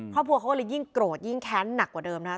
ครอบครัวเขาก็เลยยิ่งโกรธยิ่งแค้นหนักกว่าเดิมนะครับ